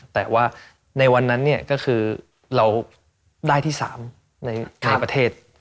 แต่ว่าในวันนั้นก็คือเราได้ที่๓ในประเทศ